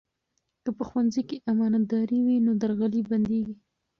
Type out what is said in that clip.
که په ښوونځي کې امانتداري وي، نو درغلي بندېږي.